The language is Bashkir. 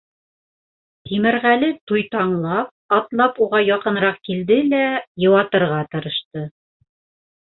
Тимерғәле туйтаңлап атлап уға яҡыныраҡ килде лә, йыуатырға тырышты: